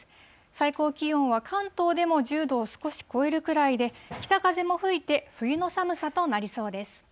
最高気温は関東でも１０度を少し超えるくらいで、北風も吹いて、冬の寒さとなりそうです。